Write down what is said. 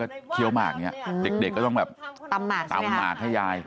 แต่เขียวหมากเด็กก็ต้องตำหมากฉีก